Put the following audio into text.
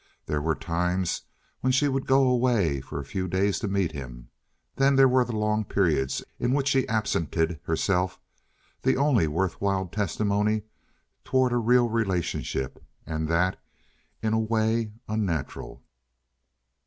There were times when she would only go away for a few days to meet him. Then there were the long periods in which she absented herself—the only worthwhile testimony toward a real relationship, and that, in a way, unnatural.